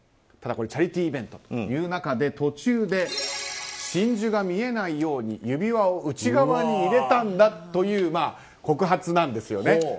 ただこれはチャリティーイベントということで途中で真珠が見えないように指輪を内側に入れたんだという告発なんです。